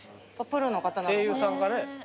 声優さんかね？